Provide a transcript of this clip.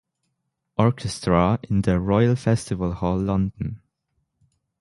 Orchestra in der Royal Festival Hall London.